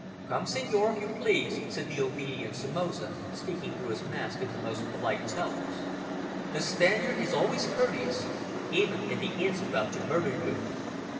"Come, senor, if you please," said the obedient Somoza, speaking through his mask in the most polite accents. A Spaniard is always courteous, even if he is about to murder you.